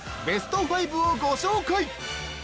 ベスト５をご紹介！